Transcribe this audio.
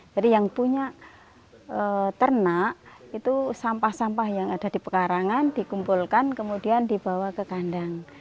jadi yang punya ternak itu sampah sampah yang ada di pekarangan dikumpulkan kemudian dibawa ke kandang